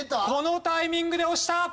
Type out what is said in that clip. このタイミングで押した！